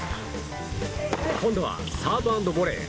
今度はサーブアンドボレー！